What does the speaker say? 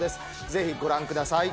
ぜひご覧ください。